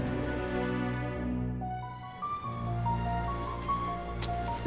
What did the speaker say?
sampai jumpa lagi